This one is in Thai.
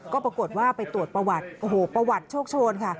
ก็ปรากฏว่าไปตรวจประวัติโอ้โหประวัติโชคโชนค่ะ